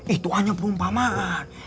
itu hanya perumpamaan